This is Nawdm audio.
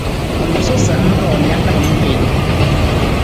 U wosu sa ng roon na tarung tii.